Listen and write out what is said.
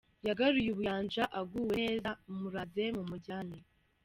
yagaruye ubuyanja aguwe neza, muraze mumujyane”.